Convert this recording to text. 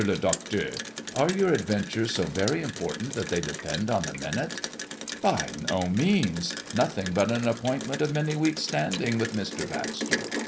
le Docteur, are your adventures so very important that they depend on the minute?" "By no means! Nothing but an appointment of many weeks standing with Mr. Baxter.